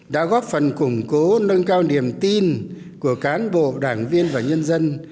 đã góp phần củng cố nâng cao niềm tin của cán bộ đảng viên và nhân dân